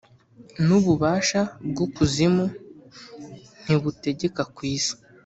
n’ububasha bw’Ukuzimu ntibutegeka ku isi,